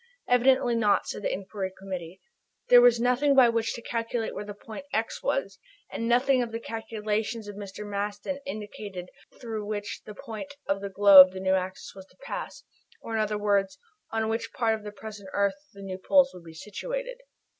Evidently not, said the Inquiry Committee. There was nothing by which to calculate where the point "x" was, as nothing in the calculations of Mr. Maston indicated through which point of the globe the new axis was to pass, or, in other words, on which part of the present earth the new poles would be situated.